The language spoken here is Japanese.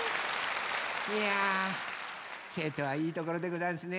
いや瀬戸はいいところでござんすね。